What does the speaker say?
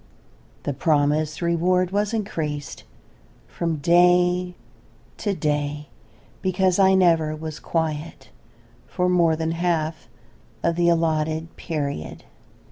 The promised reward was increased from day to day because I never was quiet for more than half of the allotted period.